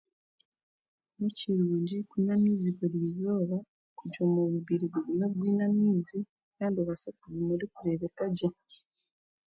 Ni kirungi kunywa amaizi burizooba kugira omubiri gugume gwine amaizi kandi obaase kuguma orikurebekagye.